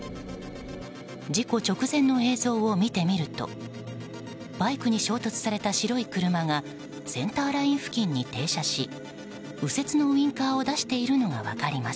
事故直前の映像を見てみるとバイクに衝突された白い車がセンターライン付近に停車し右折のウィンカーを出しているのが分かります。